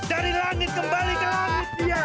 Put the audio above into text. dari langit kembali ke langit